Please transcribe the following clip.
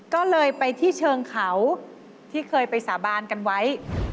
ก็เลยไปที่เชิงเขาที่เคยไปสาบานกันไว้